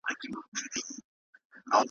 د مرمۍ په څېر له پاسه راغوټه سو ,